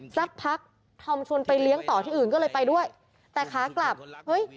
สักพักธอมชวนไปเลี้ยงต่อที่อื่นก็เลยไปด้วยแต่ขากลับเฮ้ย